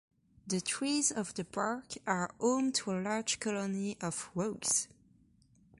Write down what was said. The trees of the park are home to a large colony of rooks.